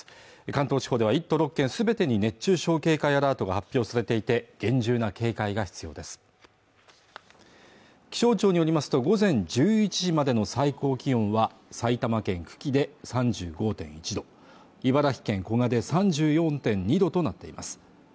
関東地方では１都６県全てに熱中症警戒アラートが発表されていて厳重な警戒が必要です気象庁によりますと午前１１時までの最高気温は埼玉県久喜で３５．１度茨城県古河で３４．２度となっています